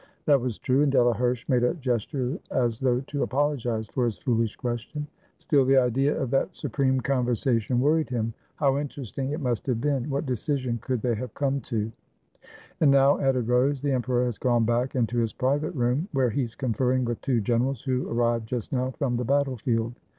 That was true, and Delaherche made a gesture as though to apologize for his foolish question. Still the 393 FRANCE idea of that supreme conversation worried him; how interesting it must have been! What decision could they have come to? "And now," added Rose, " the emperor has gone back into his private room, where he's conferring with two generals who arrived just now from the battle field."